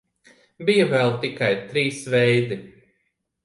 Bija vēl tikai trīs veidi.